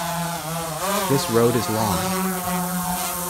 This road is long.